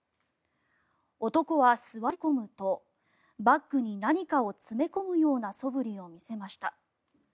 男は座り込むとバッグに何かを詰め込むようなそぶりを見せました。